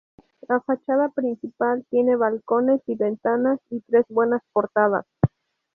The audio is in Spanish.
La fachada principal tiene balcones y ventanas y tres buenas portadas.